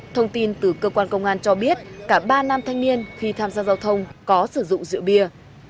thông tin từ cơ quan công an cho biết cả ba nam thanh niên khi tham gia giao thông có sử dụng rượu bia